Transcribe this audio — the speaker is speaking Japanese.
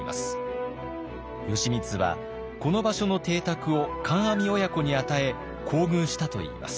義満はこの場所の邸宅を観阿弥親子に与え厚遇したといいます。